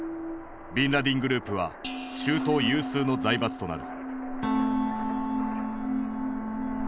ビンラディングループは中東有数の財閥となる。